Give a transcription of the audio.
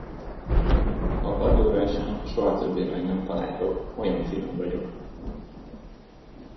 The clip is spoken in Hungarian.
Ha a padlóra esem, soha többé meg nem találtok, olyan finom vagyok.